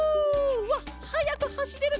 うわっはやくはしれるケロ！